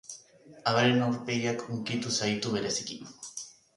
Amaren aurpegiak hunkitu zaitu bereziki.